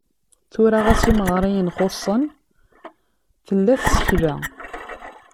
Tura ɣas imeɣriyen xuṣṣen, tella tsekla.